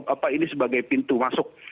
apa ini sebagai pintu masuk